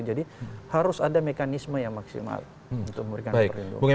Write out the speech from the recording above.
jadi harus ada mekanisme yang maksimal untuk memberikan perlindungan